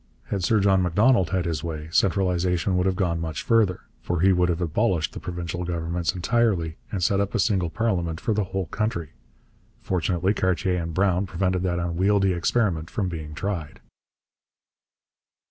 Had Sir John Macdonald had his way, centralization would have gone much further, for he would have abolished the provincial governments entirely and set up a single parliament for the whole country. Fortunately Cartier and Brown prevented that unwieldy experiment from being tried.